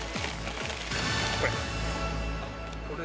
これ！